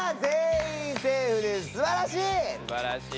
すばらしい！